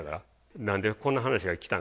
何でこんな話が来たんかと。